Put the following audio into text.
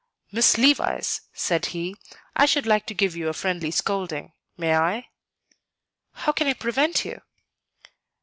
"Miss Levice," said he, "I should like to give you a friendly scolding. May I?" "How can I prevent you?"